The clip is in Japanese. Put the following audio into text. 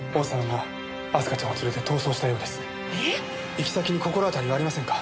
行き先に心当たりはありませんか？